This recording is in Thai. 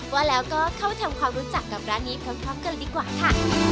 ว่าแล้วก็เข้าทำความรู้จักกับร้านนี้พร้อมกันดีกว่าค่ะ